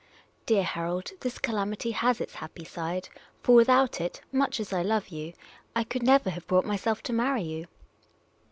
" Dear Harold, this calamity has its happy side — for without it, much as I love you, I could never have brought myself to marry you